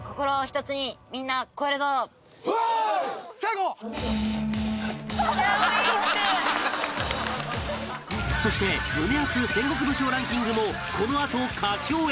このそして胸アツ戦国武将ランキングもこのあと佳境へ